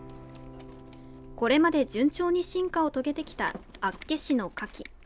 これまで順調に進化を遂げてきた厚岸のカキ。